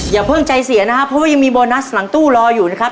อย่าเพิ่งใจเสียนะครับเพราะว่ายังมีโบนัสหลังตู้รออยู่นะครับ